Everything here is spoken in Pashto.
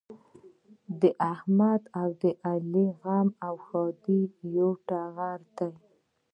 د احمد او علي غم او ښادي د یوه نغري دي.